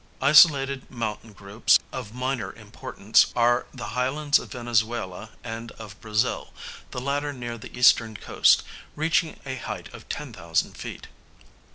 Isolated mountain groups of minor importance are the highlands of Venezuela and of Brazil, the latter near the eastern coast, reaching a height of 10,000 feet.